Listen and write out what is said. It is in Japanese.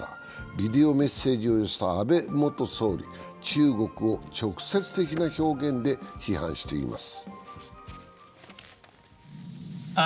ビデオメッセージを寄せた安倍元総理、中国を直接的な表現で批判しています。